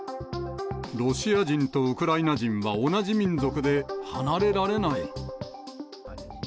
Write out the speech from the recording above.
ロシア人とウクライナ人は同じ民族で離れられない。